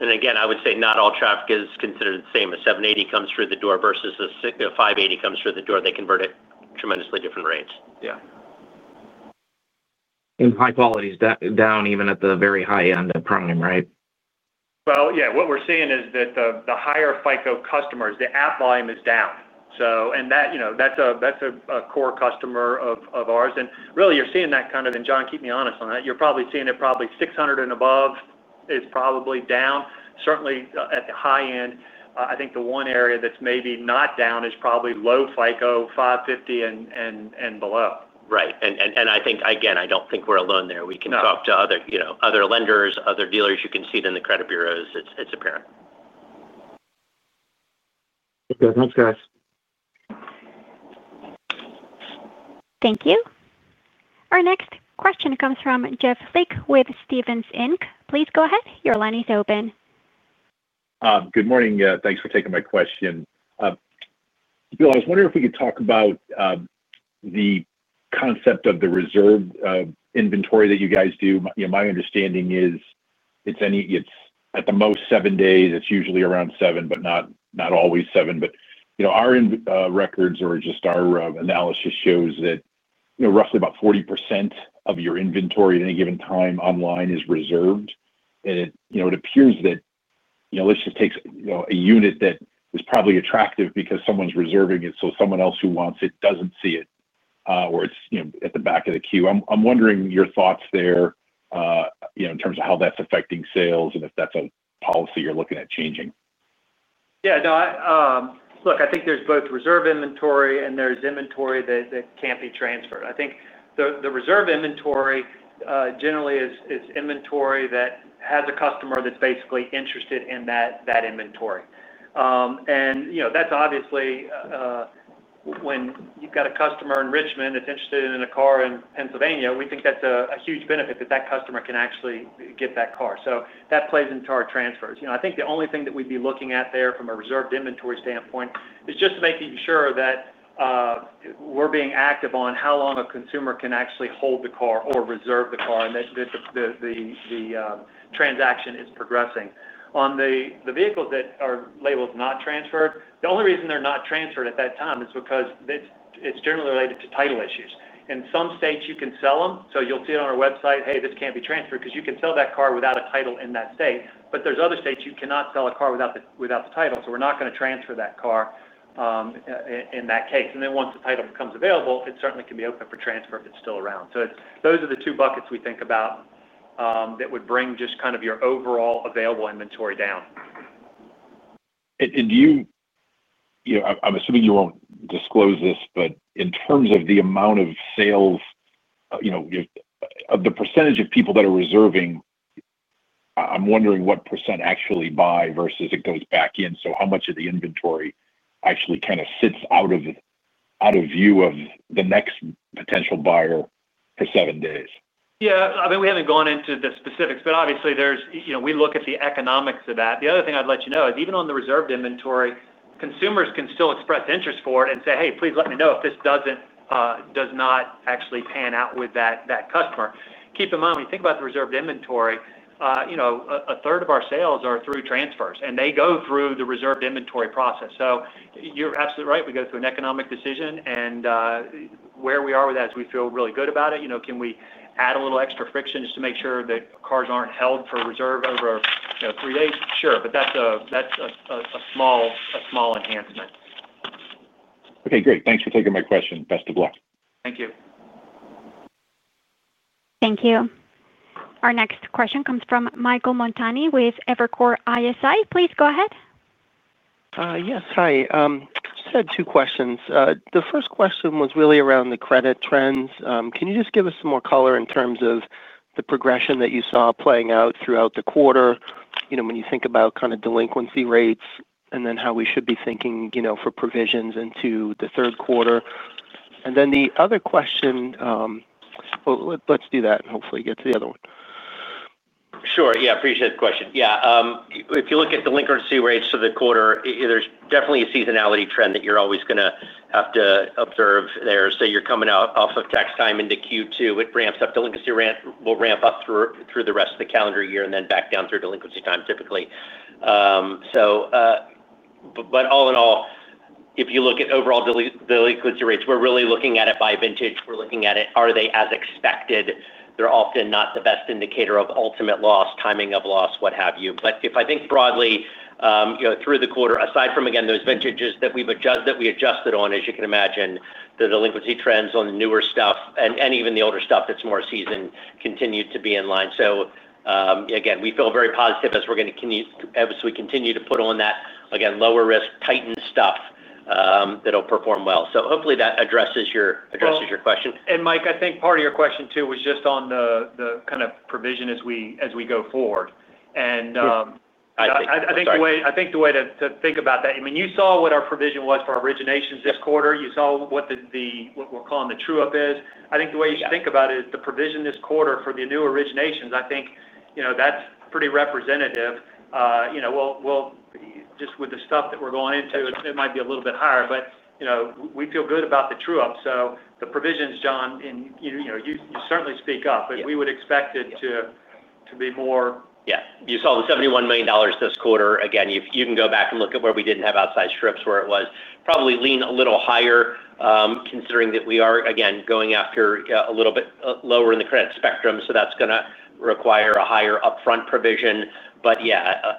I would say not all traffic is considered the same. A 780 comes through the door versus a 580 comes through the door. They convert at tremendously different rates. Yeah. High quality is down even at the very high end of prime, right? What we're seeing is that the higher FICO customers, the app volume is down. That, you know, that's a core customer of ours. You're seeing that kind of, and Jon, keep me honest on that, you're probably seeing it probably 600 and above is probably down. Certainly, at the high end, I think the one area that's maybe not down is probably low FICO 550 and below. Right. I think, again, I don't think we're alone there. We can talk to other lenders, other dealers. You can see it in the credit bureaus. It's apparent. Okay, thanks, guys. Thank you. Our next question comes from Jeffrey Francis Lick with Stephens Inc. Please go ahead. Your line is open. Good morning. Thanks for taking my question. Bill, I was wondering if we could talk about the concept of the reserved inventory that you guys do. My understanding is it's any, it's at the most seven days. It's usually around seven, but not always seven. Our records or just our analysis shows that roughly about 40% of your inventory at any given time online is reserved. It appears that, let's just take a unit that was probably attractive because someone's reserving it. Someone else who wants it doesn't see it, or it's at the back of the queue. I'm wondering your thoughts there in terms of how that's affecting sales and if that's a policy you're looking at changing. Yeah, no, look, I think there's both reserve inventory and there's inventory that can't be transferred. I think the reserve inventory generally is inventory that has a customer that's basically interested in that inventory. You know, that's obviously, when you've got a customer in Richmond that's interested in a car in Pennsylvania, we think that's a huge benefit that that customer can actually get that car. That plays into our transfers. I think the only thing that we'd be looking at there from a reserved inventory standpoint is just to make sure that we're being active on how long a consumer can actually hold the car or reserve the car and that the transaction is progressing. On the vehicles that are labeled not transferred, the only reason they're not transferred at that time is because it's generally related to title issues. In some states, you can sell them. You'll see it on our website, hey, this can't be transferred because you can sell that car without a title in that state. There's other states you cannot sell a car without the title. We're not going to transfer that car in that case. Once the title becomes available, it certainly can be open for transfer if it's still around. Those are the two buckets we think about that would bring just kind of your overall available inventory down. I'm assuming you won't disclose this, but in terms of the amount of sales, the percentage of people that are reserving, I'm wondering what % actually buy versus it goes back in. How much of the inventory actually kind of sits out of view of the next potential buyer for seven days? Yeah, I mean, we haven't gone into the specifics, but obviously, we look at the economics of that. The other thing I'd let you know is even on the reserved inventory, consumers can still express interest for it and say, hey, please let me know if this does not actually pan out with that customer. Keep in mind, when you think about the reserved inventory, a third of our sales are through transfers, and they go through the reserved inventory process. You're absolutely right. We go through an economic decision, and where we are with that is we feel really good about it. Can we add a little extra friction just to make sure that cars aren't held for reserve over three days? Sure, but that's a small enhancement. Okay, great. Thanks for taking my question. Best of luck. Thank you. Thank you. Our next question comes from Michael David Montani with Evercore ISI. Please go ahead. Yes, hi. Just had two questions. The first question was really around the credit trends. Can you just give us some more color in terms of the progression that you saw playing out throughout the quarter? You know, when you think about kind of delinquency rates and then how we should be thinking, you know, for provisions into the third quarter. The other question, let's do that and hopefully get to the other one. Sure. Yeah, I appreciate the question. If you look at delinquency rates for the quarter, there's definitely a seasonality trend that you're always going to have to observe there. You're coming out of tax time into Q2. It ramps up delinquency rates, will ramp up through the rest of the calendar year and then back down through delinquency time typically. All in all, if you look at overall delinquency rates, we're really looking at it by vintage. We're looking at it, are they as expected? They're often not the best indicator of ultimate loss, timing of loss, what have you. If I think broadly, through the quarter, aside from those vintages that we've adjusted on, as you can imagine, the delinquency trends on the newer stuff and even the older stuff that's more seasoned continue to be in line. Yeah, again, we feel very positive as we continue to put on that lower risk, tightened stuff that'll perform well. Hopefully that addresses your question. Mike, I think part of your question too was just on the kind of provision as we go forward. I think the way to think about that, I mean, you saw what our provision was for our originations this quarter. You saw what we're calling the true-up is. I think the way you should think about it is the provision this quarter for the new originations, I think that's pretty representative. Just with the stuff that we're going into, it might be a little bit higher, but we feel good about the true-up. The provisions, Jon, and you certainly speak up, but we would expect it to be more. Yes, you saw the $71 million this quarter. Again, you can go back and look at where we didn't have outside strips where it was probably lean a little higher, considering that we are, again, going after a little bit lower in the credit spectrum. That is going to require a higher upfront provision. Yeah,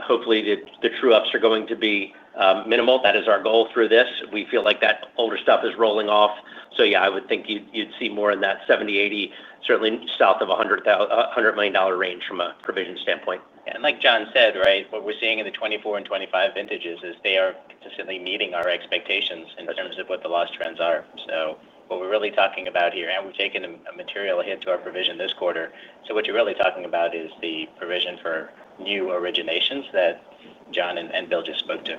hopefully the true-ups are going to be minimal. That is our goal through this. We feel like that older stuff is rolling off. I would think you'd see more in that $70-80 million, certainly south of $100 million range from a provision standpoint. Like Jon said, what we're seeing in the 2024 and 2025 vintages is they are just simply meeting our expectations in terms of what the loss trends are. What we're really talking about here, and we've taken a material hit to our provision this quarter, is the provision for new originations that Jon and Bill just spoke to.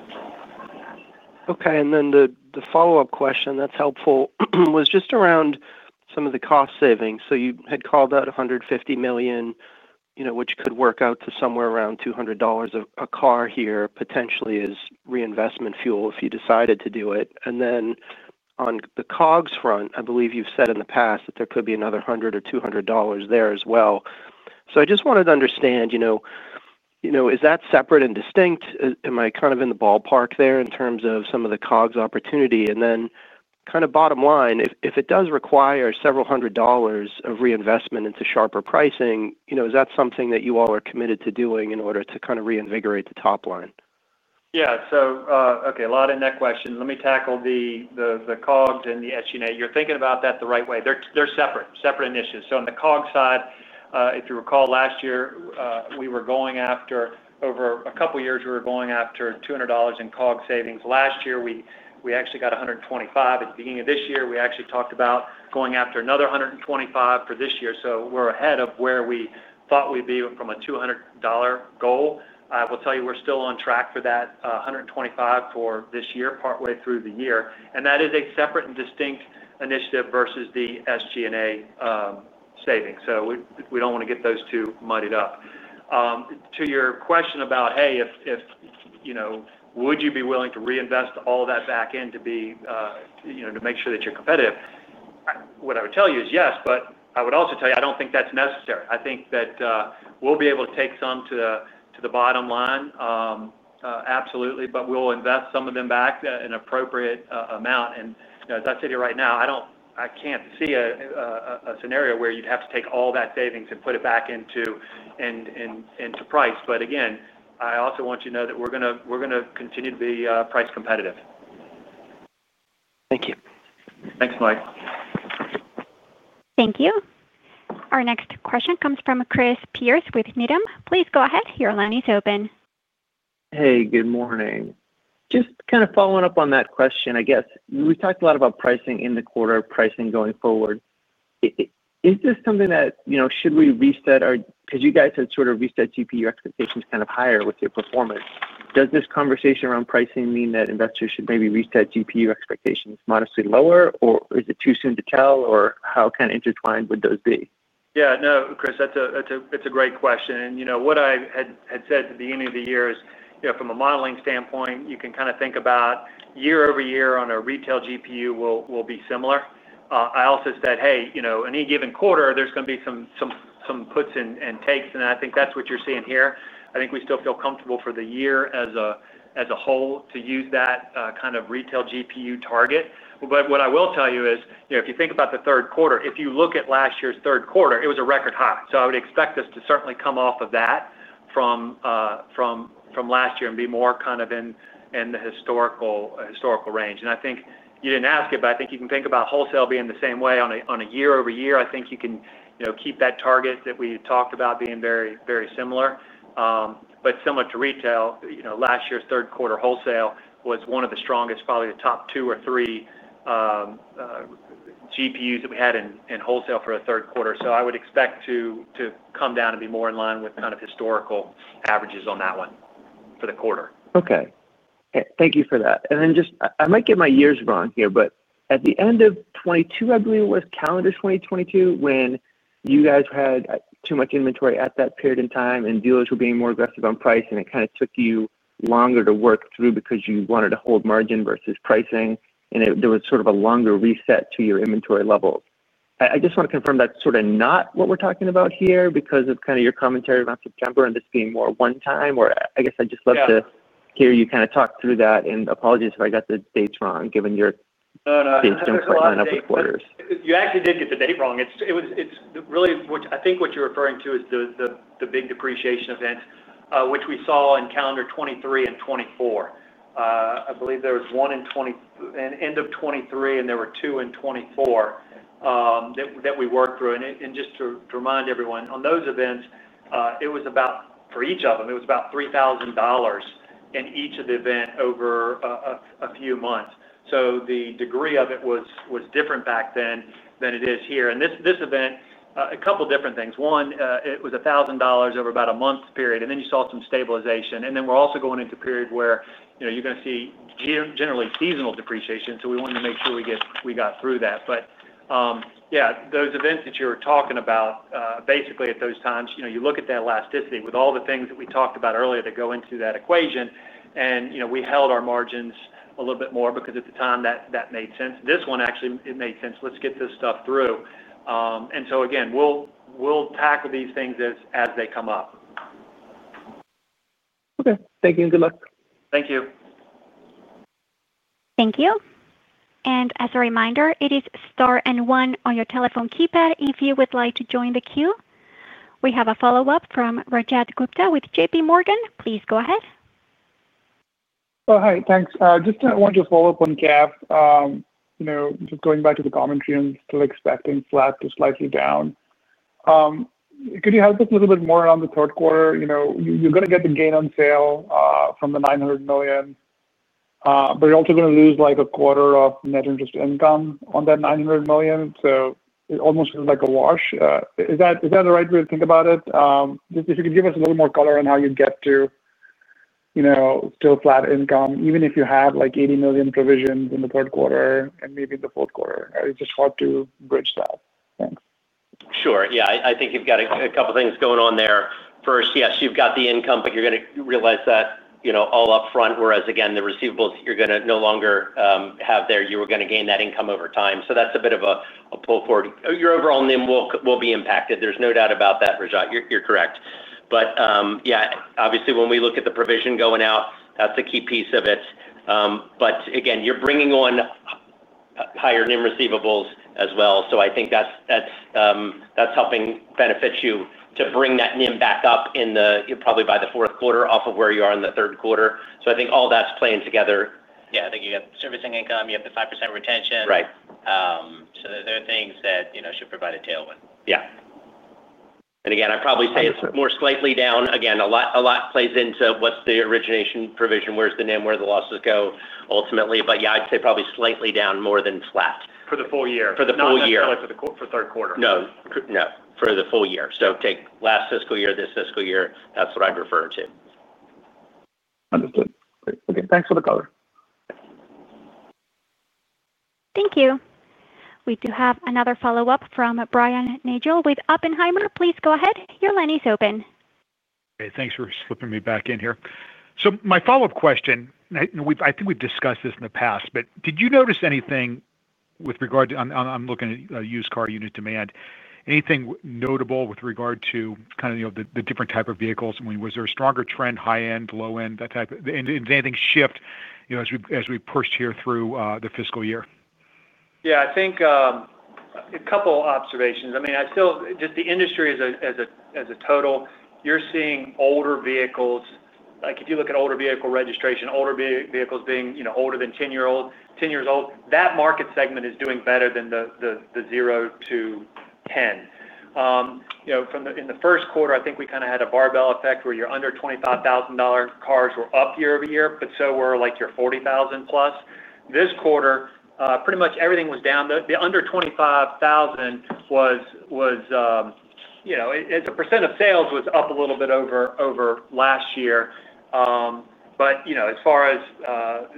Okay, the follow-up question that's helpful was just around some of the cost savings. You had called out $150 million, which could work out to somewhere around $200 a car here potentially as reinvestment fuel if you decided to do it. On the COGS front, I believe you've said in the past that there could be another $100 or $200 there as well. I just wanted to understand, is that separate and distinct? Am I kind of in the ballpark there in terms of some of the COGS opportunity? Bottom line, if it does require several hundred dollars of reinvestment into sharper pricing, is that something that you all are committed to doing in order to reinvigorate the top line? Yeah, okay, a lot in that question. Let me tackle the COGS and the SG&A. You're thinking about that the right way. They're separate, separate initiatives. On the COGS side, if you recall last year, we were going after, over a couple of years, we were going after $200 in COGS savings. Last year, we actually got $125. At the beginning of this year, we actually talked about going after another $125 for this year. We're ahead of where we thought we'd be from a $200 goal. I will tell you we're still on track for that $125 for this year, partway through the year. That is a separate and distinct initiative versus the SG&A savings. We don't want to get those two muddied up. To your question about, hey, if, you know, would you be willing to reinvest all of that back in to be, you know, to make sure that you're competitive? What I would tell you is yes, but I would also tell you I don't think that's necessary. I think that we'll be able to take some to the bottom line, absolutely, but we'll invest some of them back in an appropriate amount. As I sit here right now, I don't, I can't see a scenario where you'd have to take all that savings and put it back into price. Again, I also want you to know that we're going to continue to be price competitive. Thank you. Thanks, Mike. Thank you. Our next question comes from Christopher Alan Pierce with Needham & Company. Please go ahead. Your line is open. Hey, good morning. Just kind of following up on that question, I guess. We've talked a lot about pricing in the quarter, pricing going forward. Is this something that, you know, should we reset our, because you guys have sort of reset GPU expectations kind of higher with your performance. Does this conversation around pricing mean that investors should maybe reset GPU expectations modestly lower, or is it too soon to tell, or how kind of intertwined would those be? Yeah, no, Chris, that's a great question. What I had said at the beginning of the year is, from a modeling standpoint, you can kind of think about year over year on a retail GPU will be similar. I also said, hey, any given quarter, there's going to be some puts and takes, and I think that's what you're seeing here. I think we still feel comfortable for the year as a whole to use that kind of retail GPU target. What I will tell you is, if you think about the third quarter, if you look at last year's third quarter, it was a record high. I would expect us to certainly come off of that from last year and be more kind of in the historical range. I think you didn't ask it, but I think you can think about wholesale being the same way on a year over year. I think you can keep that target that we talked about being very, very similar. Similar to retail, last year's third quarter wholesale was one of the strongest, probably the top two or three GPUs that we had in wholesale for a third quarter. I would expect to come down and be more in line with kind of historical averages on that one for the quarter. Okay. Thank you for that. I might get my years wrong here, but at the end of 2022, I believe it was calendar 2022, when you guys had too much inventory at that period in time and dealers were being more aggressive on pricing. It kind of took you longer to work through because you wanted to hold margin versus pricing, and there was sort of a longer reset to your inventory level. I just want to confirm that's sort of not what we're talking about here because of your commentary about September and this being more one-time. I guess I'd just love to hear you talk through that, and apologies if I got the dates wrong, given your being so much in line up with quarters. You actually did get the date wrong. It was really, which I think what you're referring to is the big depreciation events, which we saw in calendar 2023 and 2024. I believe there was one in the end of 2023, and there were two in 2024 that we worked through. Just to remind everyone, on those events, it was about, for each of them, it was about $3,000 in each of the events over a few months. The degree of it was different back then than it is here. This event, a couple of different things. One, it was $1,000 over about a month period, and then you saw some stabilization. We're also going into a period where, you know, you're going to see generally seasonal depreciation. We wanted to make sure we got through that. Those events that you were talking about, basically at those times, you know, you look at that elasticity with all the things that we talked about earlier that go into that equation. You know, we held our margins a little bit more because at the time that made sense. This one actually made sense. Let's get this stuff through. Again, we'll tackle these things as they come up. Okay, thank you and good luck. Thank you. Thank you. As a reminder, it is Star and One on your telephone keypad if you would like to join the queue. We have a follow-up from Rajat Gupta with JPMorgan Chase & Co. Please go ahead. Oh, hi. Thanks. Just wanted to follow up on CAF. You know, just going back to the commentary on still expecting flat to slightly down. Could you help us a little bit more on the third quarter? You know, you're going to get the gain on sale from the $900 million, but you're also going to lose like a quarter of net interest income on that $900 million. It almost feels like a wash. Is that the right way to think about it? If you could give us a little more color on how you get to, you know, still flat income, even if you have like $80 million provisions in the third quarter and maybe in the fourth quarter. It's just hard to bridge that. Sure. Yeah, I think you've got a couple of things going on there. First, yes, you've got the income, but you're going to realize that all up front, whereas again, the receivables you're going to no longer have there. You were going to gain that income over time. That's a bit of a pull forward. Your overall NIM will be impacted. There's no doubt about that, Rajat. You're correct. Obviously, when we look at the provision going out, that's a key piece of it. Again, you're bringing on higher NIM receivables as well. I think that's helping benefit you to bring that NIM back up in the probably by the fourth quarter off of where you are in the third quarter. I think all that's playing together. Yeah, I think you got servicing income. You have the 5% retention. Right. There are things that, you know, should provide a tailwind. Yeah, I'd probably say it's more slightly down. A lot plays into what's the origination provision, where's the NIM, where the losses go ultimately. I'd say probably slightly down more than flat. For the full year. For the full year. Not necessarily for the third quarter. No, for the full year. Take last fiscal year, this fiscal year, that's what I'd refer to. Understood. Great. Okay, thanks for the color. Thank you. We do have another follow-up from Brian William Nagel with Oppenheimer & Co. Inc. Please go ahead. Your line is open. Thanks for slipping me back in here. My follow-up question, and I think we've discussed this in the past, did you notice anything with regard to, I'm looking at used car unit demand, anything notable with regard to the different type of vehicles? Was there a stronger trend, high-end, low-end, that type of, and has anything shifted as we pushed here through the fiscal year? Yeah, I think a couple observations. I mean, I feel just the industry as a total, you're seeing older vehicles, like if you look at older vehicle registration, older vehicles being, you know, older than 10 years old, that market segment is doing better than the 0 to 10. In the first quarter, I think we kind of had a barbell effect where your under $25,000 cars were up year over year, but so were like your $40,000 plus. This quarter, pretty much everything was down. The under $25,000 was, you know, the % of sales was up a little bit over last year. As far as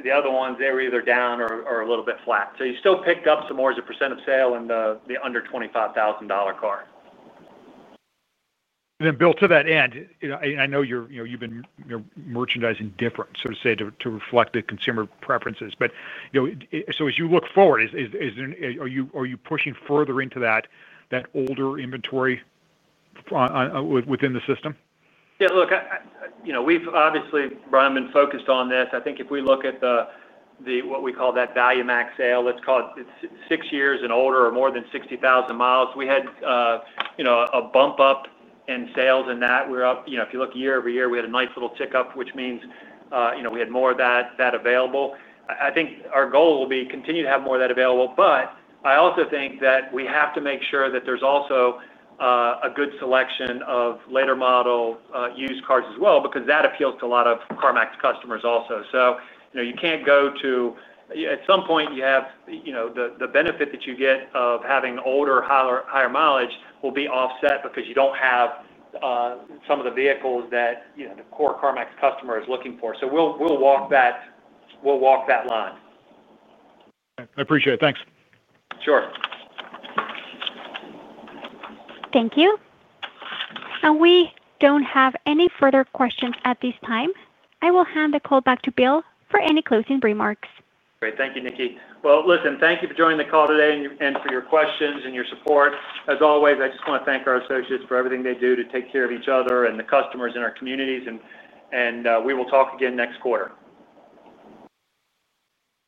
the other ones, they were either down or a little bit flat. You still picked up some more as a % of sale in the under $25,000 car. Bill, to that end, I know you've been merchandising different, so to say, to reflect the consumer preferences. As you look forward, are you pushing further into that older inventory within the system? Yeah, look, we've obviously run and focused on this. I think if we look at what we call that value max sale, let's call it six years and older or more than 60,000 miles, we had a bump up in sales in that. We're up, if you look year over year, we had a nice little tick up, which means we had more of that available. I think our goal will be to continue to have more of that available, but I also think that we have to make sure that there's also a good selection of later model used cars as well because that appeals to a lot of CarMax customers also. You can't go to, at some point, you have the benefit that you get of having older, higher mileage will be offset because you don't have some of the vehicles that the core CarMax customer is looking for. We'll walk that, we'll walk that line. I appreciate it. Thanks. Sure. Thank you. We don't have any further questions at this time. I will hand the call back to Bill for any closing remarks. Great. Thank you, Nikki. Thank you for joining the call today and for your questions and your support. As always, I just want to thank our associates for everything they do to take care of each other and the customers in our communities. We will talk again next quarter.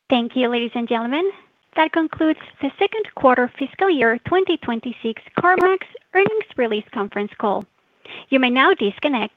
Thank you, ladies and gentlemen. That concludes the second quarter fiscal year 2026 CarMax earnings release conference call. You may now disconnect.